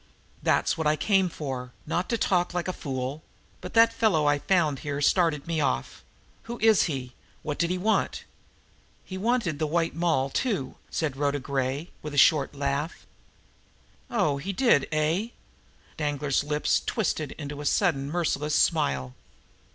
That's what I came for, not to talk like a fool but that fellow I found here started me off. Who is he? What did he want?" "He wanted the White Moll, too," said Rhoda Gray, with a short laugh. "Oh, he did, eh!" Danglar's lips twisted into a sudden, merciless smile.